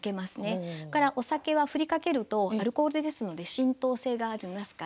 それからお酒はふりかけるとアルコールですので浸透性がありますから。